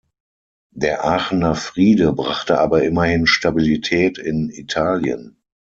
Der Aachener Friede brachte aber immerhin Stabilität in Italien.